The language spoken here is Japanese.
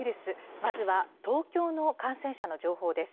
まずは東京の感染者の情報です。